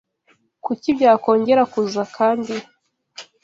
Kuki byakongera kuza kandi ?